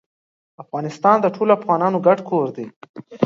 افغانستان د ټولو افغانانو ګډ کور دی.